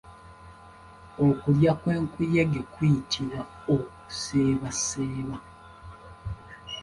Okulya kwenkuyege kuyitibw Okuseebaseeba.